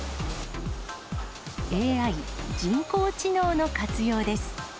ＡＩ・人工知能の活用です。